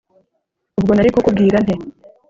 ubwo nari kukubwira nte